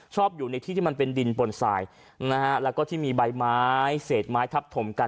ชอบอยู่ในที่ที่มันเป็นดินปนสายนะฮะแล้วก็ที่มีใบไม้เศษไม้ทับถมกัน